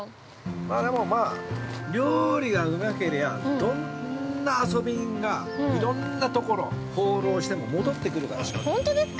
でもまあ、料理がうまけりゃあ、どんな遊び人が、いろんなところ、放浪しても、戻ってくるから。